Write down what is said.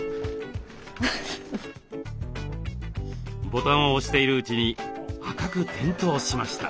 ボタンを押しているうちに赤く点灯しました。